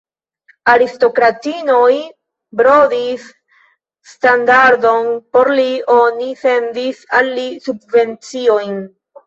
Aristokratinoj brodis standardon por li; oni sendis al li subvenciojn.